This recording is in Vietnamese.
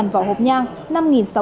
hai vỏ hộp nhang